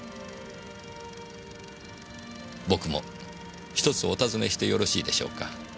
僕も１つお尋ねしてよろしいでしょうか。